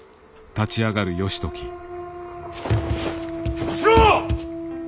小四郎！